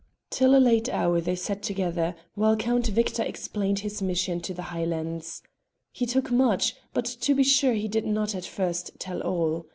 Till a late hour they sat together while Count Victor explained his mission to the Highlands. He told much, but, to be sure, he did not at first tell all.